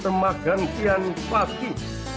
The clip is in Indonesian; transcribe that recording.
semak gantian paki